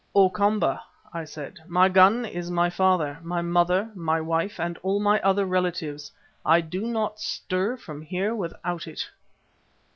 "O Komba," I said, "my gun is my father, my mother, my wife and all my other relatives. I do not stir from here without it."